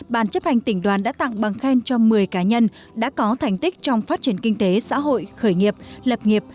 ban chấp hành tỉnh đoàn đã tặng bằng khen cho một mươi cá nhân đã có thành tích trong phát triển kinh tế xã hội khởi nghiệp lập nghiệp